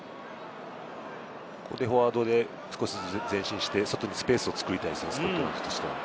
ここでフォワードで少しずつ前進して、外にスペースを作りたいですね、スコットランド代表としては。